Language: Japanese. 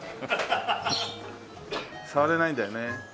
触れないんだよね。